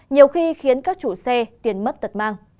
nhiều khi khiến các chủ xe tiền mất tật mang